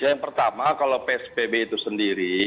yang pertama kalau psbb itu sendiri